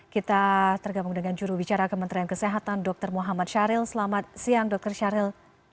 kita tergabung dengan juru bicara kementerian kesehatan dr muhammad syahril selamat siang dr syahril